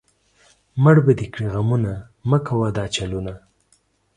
مړ به دې کړي غمونه، مۀ کوه دا چلونه